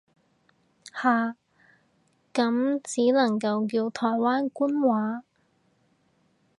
下，咁只能夠叫台灣官話